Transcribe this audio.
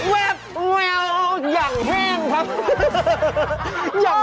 เว็บอย่างแห้งครับ